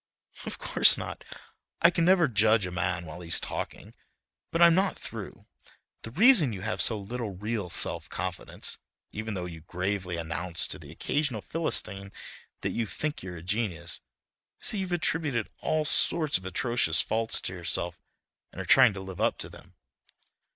"Of course not—I can never judge a man while he's talking. But I'm not through; the reason you have so little real self confidence, even though you gravely announce to the occasional philistine that you think you're a genius, is that you've attributed all sorts of atrocious faults to yourself and are trying to live up to them.